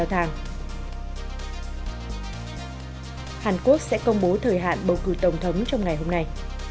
hàn quốc sẽ công bố thời hạn bầu cử tổng thống trong ngày hôm nay